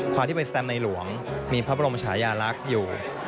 ความที่เป็นสแตมในหลวงมีพระบรมชายาลักษณ์อยู่